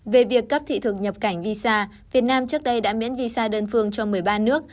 về việc cấp thị thực nhập cảnh visa việt nam trước đây đã miễn visa đơn phương cho một mươi ba nước